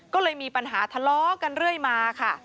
ก็เลยมีปัญหาทะเลาะกันเรื่อยมาค่ะ